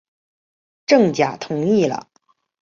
郑覃同意了。